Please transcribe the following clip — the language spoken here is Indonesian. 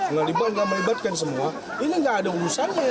nggak melibatkan semua ini nggak ada urusannya